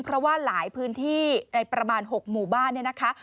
เพราะว่าหลายพื้นที่ในประมาณ๖หมู่บ้านเนี่ยนะคะ